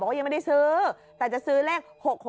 บอกว่ายังไม่ได้ซื้อแต่จะซื้อเลข๖๖๙๗๒๙๗๖๙